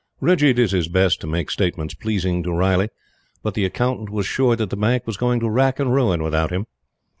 Reggie did his best to make statements pleasing to Riley, but the Accountant was sure that the Bank was going to rack and ruin without him.